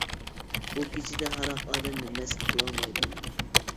بۇ كېچىدە ھاراق ئادەمنى مەست قىلالمايدۇ.